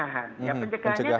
dan yang penting itu pencegahan